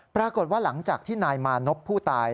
ปรากฏว่าหลังจากที่นายมานพผู้ตาย